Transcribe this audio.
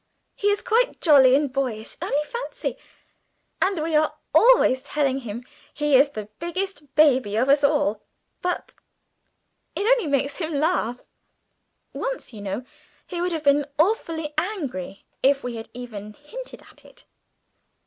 He is quite jolly and boyish only fancy! and we are always telling him he is the biggest baby of us all, but it only makes him laugh. Once, you know, he would have been awfully angry if we had even hinted at it.